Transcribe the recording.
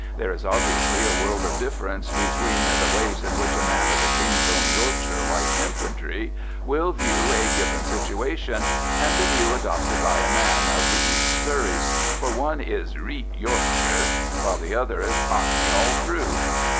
There is obviously a world of difference between the way in which a man of the King's Own Yorkshire Light Infantry will view a given situation, and the view adopted by a man of the East Surreys, for one is "reet Yorkshire," while the other is Cockney all through.